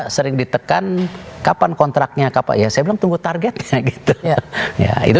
sering ditekan kapan kontraknya saya bilang tunggu targetnya gitu